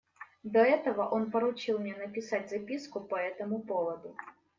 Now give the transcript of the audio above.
До этого он поручил мне написать записку по этому поводу.